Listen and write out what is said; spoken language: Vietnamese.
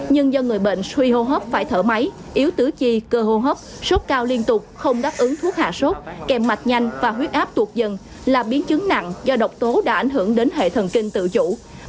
nhưng do người bệnh suy hô hấp phải thở máy yếu tứ chi cơ hô hấp sốt cao liên tục không đáp ứng thuốc hạ sốt kèm mạch nhanh và huyết áp tụt dần là biến chứng nặng do độc tố đã ảnh hưởng đến hệ thần kinh tự chủ